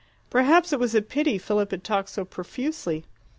Perhaps it was a pity Philip had talked so profusely.